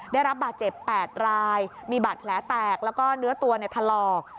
ได้รับบาดเจ็บ๘รายมีบาดแผลแตกแล้วก็เนื้อตัวถลอก